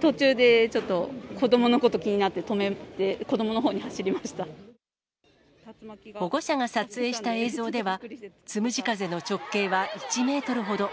途中でちょっと子どものこと気になって、止めて、子どものほうに保護者が撮影した映像では、つむじ風の直径は１メートルほど。